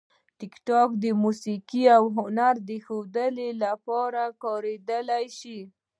ټیکټاک د موسیقي او هنر د ښودلو لپاره کارېدلی شي.